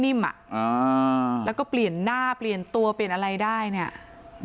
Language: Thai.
แล้วก็เปลี่ยนหน้าเปลี่ยนตัวเปลี่ยนอะไรได้เนี่ย